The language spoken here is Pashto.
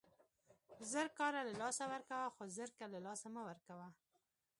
زر کاره له لاسه ورکوه، خو زرکه له له لاسه مه ورکوه!